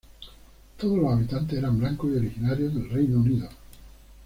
Todos los habitantes eran blancos y originarios del Reino Unido.